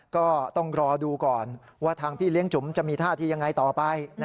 ก็ต้องรอดูก่อนว่าทางพี่เลี้ยงจุ๋มจะมีท่าทียังไงต่อไป